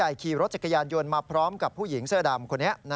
ขี่รถจักรยานยนต์มาพร้อมกับผู้หญิงเสื้อดำคนนี้